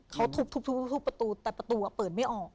เขาทุบทุบทุบทุบประตูแต่ประตูอ่ะเปิดไม่ออก